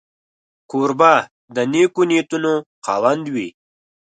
کوربه د نېکو نیتونو خاوند وي.